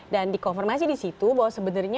dan dikonfirmasi di situ bahwa sebenarnya